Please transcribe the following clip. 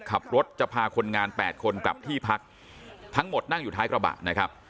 ขับรถจะพาคนงาน๘คนกลับที่พักทั้งหมดนั่งอยู่ท้ายกระบะนะครับ